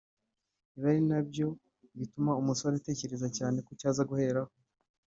ibi ari na byo bituma umusore atekereza cyane ku cyo aza guheraho